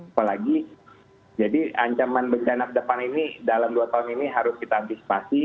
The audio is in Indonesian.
apalagi jadi ancaman bencana ke depan ini dalam dua tahun ini harus kita antisipasi